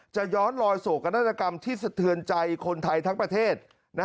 ย้อนลอยโศกนาฏกรรมที่สะเทือนใจคนไทยทั้งประเทศ